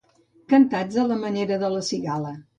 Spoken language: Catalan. Cantats a la manera de la cigala.